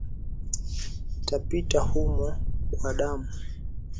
Tapita humo kwa damu.